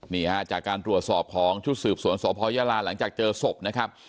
นี่ฮะจากการตรวจสอบของชุดสืบสวนสพยลาหลังจากเจอศพนะครับ